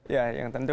ya yang tentu